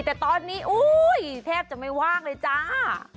แต่ตอนนี้อุ้ยแทบจะไม่ว่างเลยจ้า